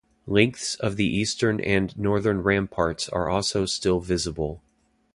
Lengths of the eastern and northern ramparts are also still visible.